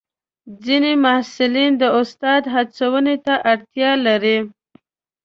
ځینې محصلین د استاد هڅونې ته اړتیا لري.